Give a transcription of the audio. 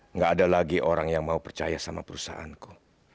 nggak ada lagi orang yang mau percaya sama perusahaanku